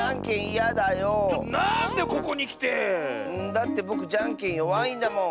だってぼくじゃんけんよわいんだもん。